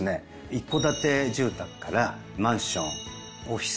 一戸建て住宅からマンションオフィス